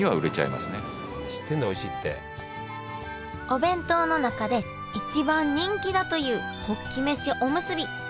お弁当の中で一番人気だというホッキ飯おむすび。